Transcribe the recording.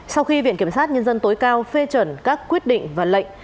sau khi viện kiểm sát nhân dân tối cao phê chuẩn các quyết định và lệnh